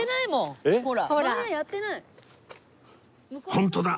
ホントだ！